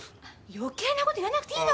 余計なこと言わなくていいの！